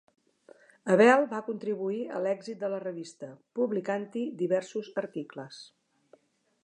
Abel va contribuir a l'èxit de la revista, publicant-hi diversos articles.